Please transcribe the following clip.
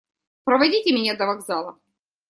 Проводите меня до вокзала.